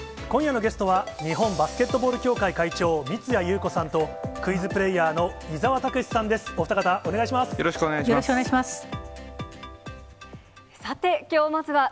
今夜のゲストは、日本バスケットボール協会会長、三屋裕子さんと、クイズプレーヤーの伊沢拓司さんです。